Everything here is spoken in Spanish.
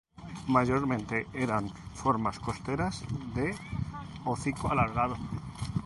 Mayormente eran formas costeras de hocico alargado.